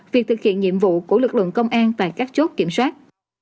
việc thực hiện nhiệm vụ của lực lượng công an tại các chốt kiểm soát